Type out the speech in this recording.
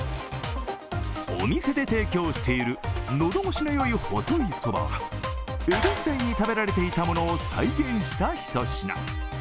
お店で提供している喉越しのよい細いそばは江戸時代に食べられていたものを再現したひと品。